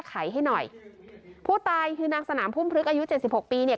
ไขให้หน่อยผู้ตายคือนางสนามพุ่มพลึกอายุเจ็ดสิบหกปีเนี่ย